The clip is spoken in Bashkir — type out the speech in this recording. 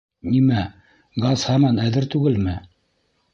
Нимә, газ һаман әҙер түгелме?